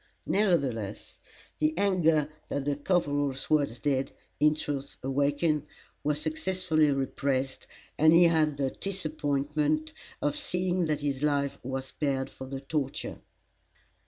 Nevertheless, the anger that the corporal's words did, in truth, awaken, was successfully repressed, and he had the disappointment of seeing that his life was spared for the torture.